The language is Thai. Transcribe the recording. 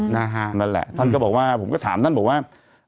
นั่นแหละท่านก็บอกว่าผมก็ถามท่านบอกว่า